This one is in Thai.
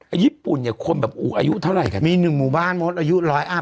อายุยืนสุดอายุเท่าไรค่ะมีหนึ่งหมู่บ้านม้วนอายุร้อยอับ